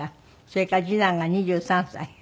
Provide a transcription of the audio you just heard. それから次男が２３歳。